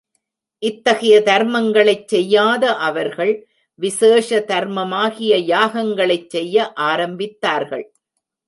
இத்தகைய தர்மங்களைச் செய்யாத அவர்கள் விசேஷ தர்மமாகிய யாகங்களைச் செய்ய ஆரம்பித்தார்கள்.